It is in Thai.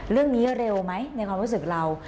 เรื่องนี้เร็วไหมในความรู้สึกเรา